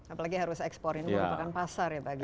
apalagi harus eksporin bukan pasarnya bagi kita